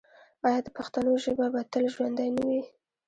آیا د پښتنو ژبه به تل ژوندی نه وي؟